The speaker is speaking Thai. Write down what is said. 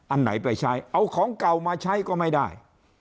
อันไหนไปใช้เอาของเก่ามาใช้ก็ไม่ได้